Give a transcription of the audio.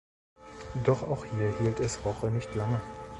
Doch auch hier hielt es Roche nicht lange.